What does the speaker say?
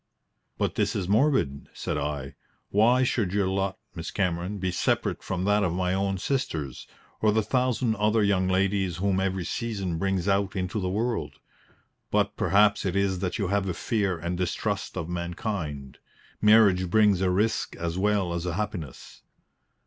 "But this is morbid," said I. "Why should your lot, Miss Cameron, be separate from that of my own sisters, or the thousand other young ladies whom every season brings out into the world? But perhaps it is that you have a fear and distrust of mankind. Marriage brings a risk as well as a happiness."